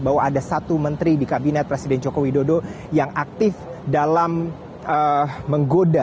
bahwa ada satu menteri di kabinet presiden joko widodo yang aktif dalam menggoda